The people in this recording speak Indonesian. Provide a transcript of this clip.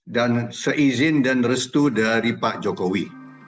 dan seizin dan restu dari pak jokowi